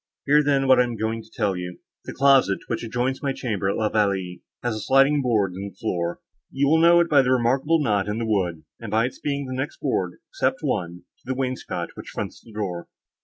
Hear, then, what I am going to tell you. The closet, which adjoins my chamber at La Vallée, has a sliding board in the floor. You will know it by a remarkable knot in the wood, and by its being the next board, except one, to the wainscot, which fronts the door.